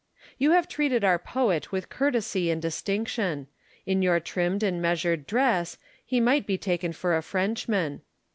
You have treated our poet with courtesy and distinction ; in your trimmed and measured dress, he might be taken for a Frenchman.